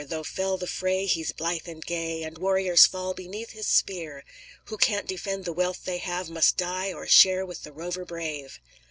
Though fell the fray, He's blithe and gay, And warriors fall beneath his spear. Who can't defend the wealth they have Must die or share with the rover brave!"